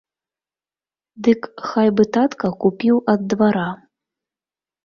Дык хай бы татка купіў ад двара.